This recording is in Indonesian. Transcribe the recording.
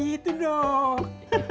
nah begitu dong